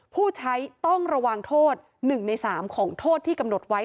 ผู้ใช้ต้องระวังโทษ๑ใน๓ของโทษที่กำหนดไว้